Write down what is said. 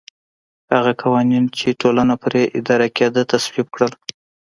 هغه قوانین چې ټولنه پرې اداره کېده تصویب کړل